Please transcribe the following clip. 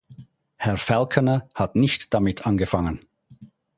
Herr Falconer hat nicht damit angefangen!